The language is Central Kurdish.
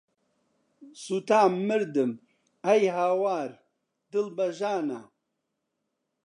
سوتام، مردم، ئەی هاوار، دڵ بە ژانە